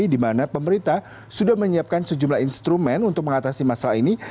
di mana pemerintah sudah menyiapkan sejumlah instrumen untuk mengatasi masalah ini